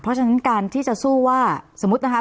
เพราะฉะนั้นการที่จะสู้ว่าสมมุตินะคะ